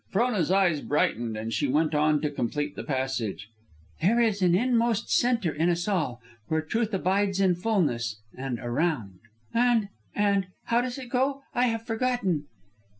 '" Frona's eyes brightened, and she went on to complete the passage: "'There is an inmost centre in us all, Where truth abides in fulness; and around.' "And and how does it go? I have forgotten."